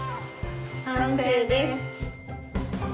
完成です！